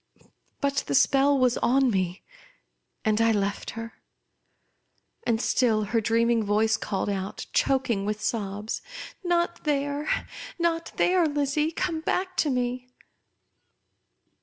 But the spell was on me, and I left her ; and still her dream ing voice called out, choking Avith sobs, " Not there ! not there, Lizzie ! Come back to me